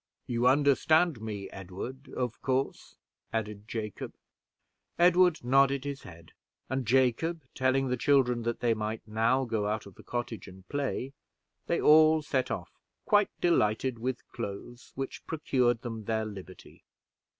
You understand me, Edward, of course?" added Jacob. Edward nodded his head; and Jacob telling the children that they might now go out of the cottage and play, they all set off, quite delighted with clothes which procured them their liberty.